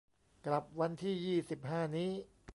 กลับวันที่ยี่สิบห้านี้